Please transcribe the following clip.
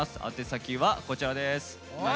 宛先はこちらです。